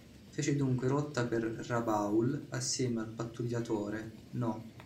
Fece dunque rotta per Rabaul assieme al pattugliatore "No.